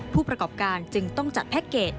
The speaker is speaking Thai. ผู้ประกอบการจึงต้องจัดแพ็คเกจ